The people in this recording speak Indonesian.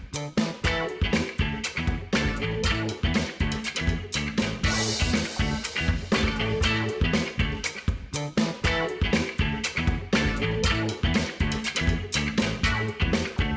demikian cien indonesia connected malam ini